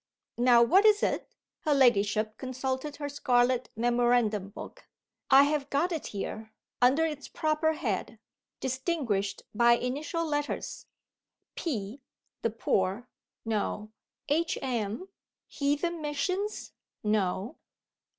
Now what is it?" (Her ladyship consulted her scarlet memorandum book.) "I have got it here, under its proper head, distinguished by initial letters. P. the poor. No. H.M. heathen missions. No.